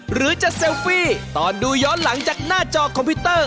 หรือจะเซลฟี่ตอนดูย้อนหลังจากหน้าจอคอมพิวเตอร์